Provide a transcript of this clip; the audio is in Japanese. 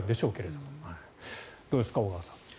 どうですか、小川さん。